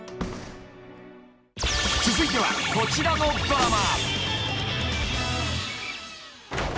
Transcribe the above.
［続いてはこちらのドラマ］